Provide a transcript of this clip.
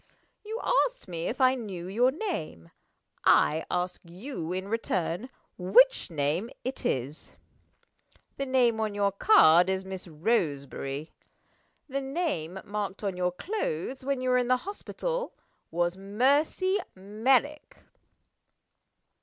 You asked me if I knew your name. I ask you, in return, which name it is? The name on your card is 'Miss Roseberry.' The name marked on your clothes, when you were in the hospital, was 'Mercy Merrick.